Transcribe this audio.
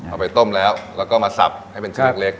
เอาไปต้มแล้วแล้วก็มาสับให้เป็นชิ้นเล็ก